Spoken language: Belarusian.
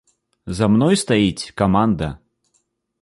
За мной стаіць каманда.